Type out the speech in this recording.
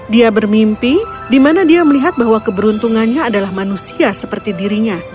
dia bermimpi di mana dia melihat bahwa keberuntungannya adalah manusia seperti dirinya